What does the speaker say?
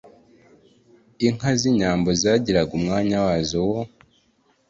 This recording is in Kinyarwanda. Inka z'inyambo zagiraga umwanya wazo wo